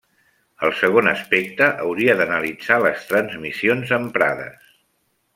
El segon aspecte hauria d’analitzar les transmissions emprades.